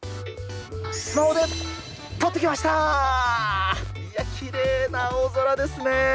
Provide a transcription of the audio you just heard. きれいな青空ですね。